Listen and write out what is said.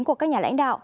của các nhà lãnh đạo